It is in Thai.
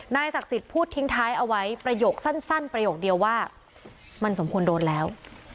ศักดิ์สิทธิ์พูดทิ้งท้ายเอาไว้ประโยคสั้นประโยคเดียวว่ามันสมควรโดนแล้ว